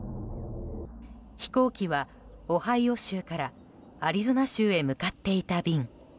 飛行機はオハイオ州からアリゾナ州へ向かっていた便。